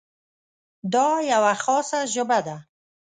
دا یوه خاصه ژبه ده.